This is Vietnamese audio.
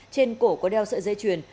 trên cổ có đeo sợi dây chuyền